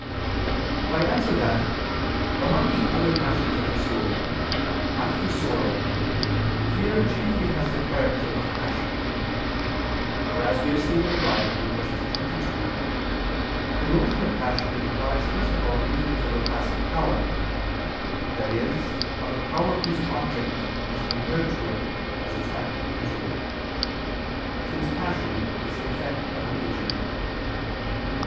I answer that, Among the other passions of the soul, after sorrow, fear chiefly has the character of passion. For as we have stated above (Q. 22), the notion of passion implies first of all a movement of a passive power i.e. of a power whose object is compared to it as its active principle: since passion is the effect of an agent.